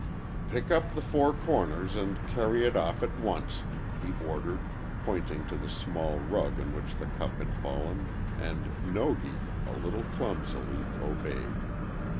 "Pick up the four corners, and carry it all off at once," he ordered, pointing to the small rug on which the cup had fallen, and Nogi, a little clumsily, obeyed.